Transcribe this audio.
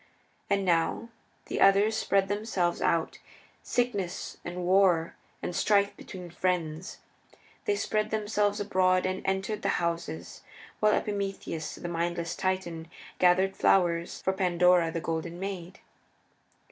And now the others spread themselves out Sickness and War and Strife between friends. They spread themselves abroad and entered the houses, while Epimetheus, the mindless Titan, gathered flowers for Pandora, the Golden Maid.